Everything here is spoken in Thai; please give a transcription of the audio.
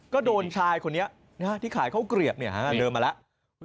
ก็โดนชายคนนี้ที่ขายข้าวเกลียบเดินมาแล้ว